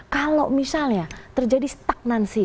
kalau misalnya terjadi stagnansi